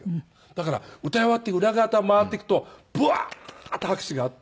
だから歌い終わって裏側から回っていくとブワーッと拍手があって。